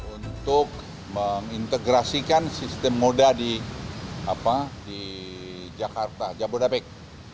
untuk mengintegrasikan sistem moda di jakarta jabodetabek